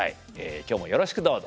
今日もよろしくどうぞ。